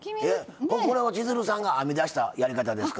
これは千鶴さんが編み出したやり方ですか？